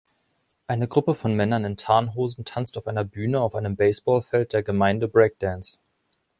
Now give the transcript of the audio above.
Eine Gruppe von Männern in Tarnhosen tanzt auf einer Bühne auf einem Baseballfeld der Gemeinde Breakdance.